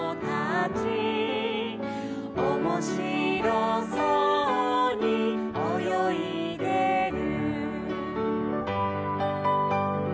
「おもしろそうにおよいでる」